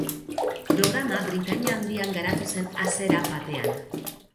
Programa Britania Handian garatu zen hasera batean.